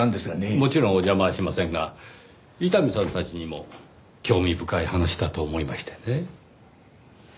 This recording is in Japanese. もちろんお邪魔はしませんが伊丹さんたちにも興味深い話だと思いましてね。